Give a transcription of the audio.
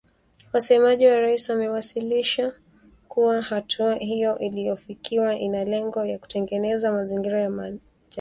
Wasemaji wa raisi wamewasilisha kuwa hatua hiyo iliyofikiwa ina lengo la kutengeneza mazingira ya majadiliano.